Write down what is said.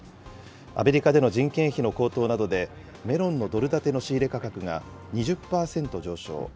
アメリカでの人件費の高騰などで、メロンのドル建ての仕入れ価格が２０％上昇。